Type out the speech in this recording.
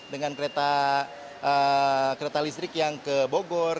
dengan kereta listrik yang ke bogor